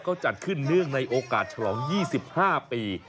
เขาจัดขึ้นเนื่องในโอกาสฉลอง๒๕ปี